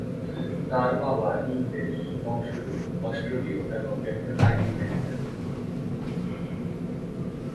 তার বাবা ইংরেজ বংশদ্ভূত অস্ট্রলীয় এবং একজন আইটি ম্যানেজার।